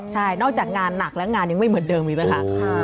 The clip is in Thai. ใช่นอกจากงานหนักแล้วงานยังไม่เหมือนเดิมอีกไหมคะ